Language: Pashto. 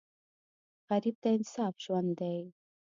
غریب ته انصاف ژوند دی